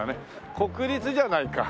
国立じゃないか。